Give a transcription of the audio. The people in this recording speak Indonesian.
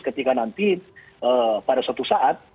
ketika nanti pada suatu saat